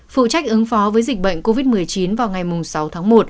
phụ trách ứng phó với dịch bệnh covid một mươi chín vào ngày sáu tháng một